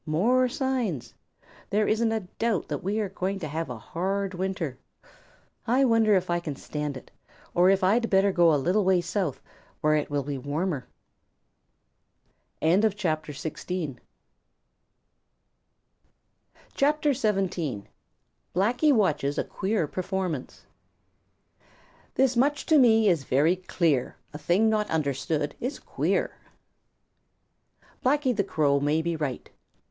"More signs. There isn't a doubt that we are going to have a hard winter. I wonder if I can stand it or if I'd better go a little way south, where it will be warmer." CHAPTER XVII: Blacky Watches A Queer Performance This much to me is very clear: A thing not understood is queer. Blacky the Crow. Blacky the Crow may be right.